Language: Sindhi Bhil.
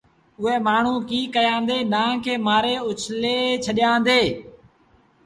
اُئي مآڻهوٚٚݩ ڪيٚ ڪيآݩدي نآݩگ کي مآري اُڇلي ڇڏيآݩدي